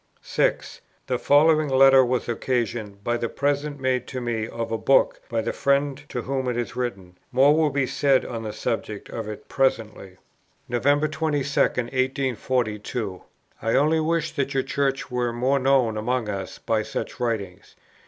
6. The following letter was occasioned by the present made to me of a book by the friend to whom it is written; more will be said on the subject of it presently: "Nov. 22, 1842. I only wish that your Church were more known among us by such writings.